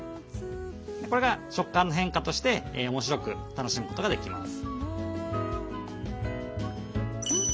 これが食感の変化として面白く楽しむことができます。